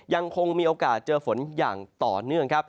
ยังคงมีโอกาสเจอฝนอย่างต่อเนื่องครับ